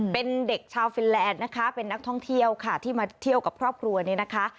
เป็นเด็กชาวฟินแลนด์นะคะเป็นนักท่องเที่ยวค่ะที่มาเที่ยวกับครอบครัวเนี่ยนะคะ